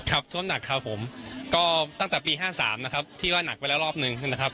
ท่วมหนักครับผมก็ตั้งแต่ปี๕๓นะครับที่ว่าหนักไปแล้วรอบหนึ่งนะครับ